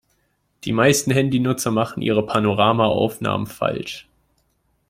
Die meisten Handynutzer machen ihre Panoramaaufnahmen falsch.